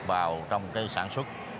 vào trong cây sản xuất